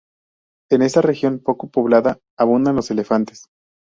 En esta región poco poblada abundan los elefantes.